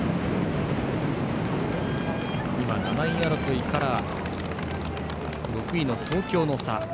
７位争いから、６位の東京の差。